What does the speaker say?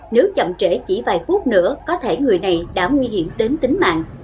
nếu chậm trễ chỉ vài phút nữa có thể người này đã nguy hiểm đến tính mạng